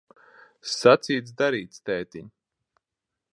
Sacīts, darīts, tētiņ.